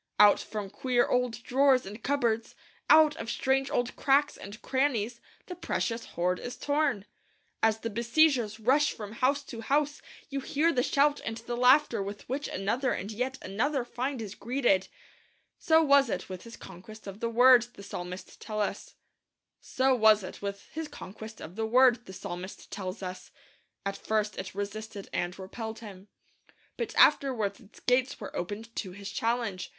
Out from queer old drawers and cupboards, out of strange old cracks and crannies, the precious hoard is torn. As the besiegers rush from house to house you hear the shout and the laughter with which another and yet another find is greeted. So was it with his conquest of the Word, the psalmist tells us. At first it resisted and repelled him. But afterwards its gates were opened to his challenge.